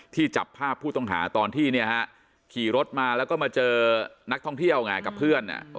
จับภาพผู้ต้องหาตอนที่ขี่รถมาแล้วก็มาเจอนักท่องเที่ยวไงกับเพื่อน